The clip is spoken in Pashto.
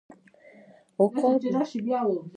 عقاب له څلور تر اتو ځله قوي لید لري.